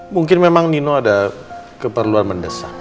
mungkin memang nino ada keperluan mendesak